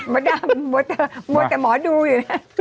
มาด้านหมวดแต่หมอดูอยู่นะ